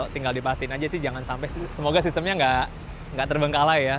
tinggal dipastiin aja sih jangan sampai semoga sistemnya nggak terbengkalai ya